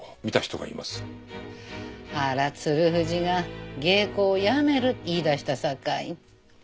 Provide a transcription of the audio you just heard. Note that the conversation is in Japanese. あら鶴藤が芸妓を辞める言い出したさかいに。